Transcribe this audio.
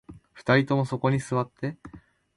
二人ともそこに座って